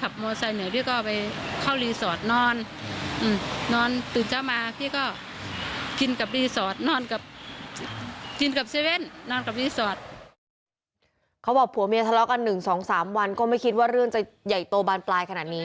ก็ไม่คิดว่าเรื่องจะใหญ่โตบานปลายขนาดนี้